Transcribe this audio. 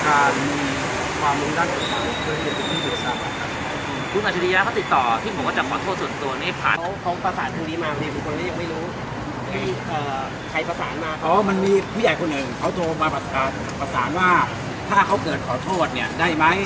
เพราะว่ามันมีผู้ใหญ่คนหนึ่งเขาโทรมาประสานว่าถ้าเขาเกิดขอโทษเนี่ยได้ไหม